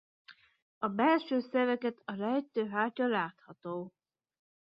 A belső szerveket rejtő hártya látható.